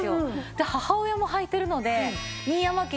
で母親も履いてるので新山家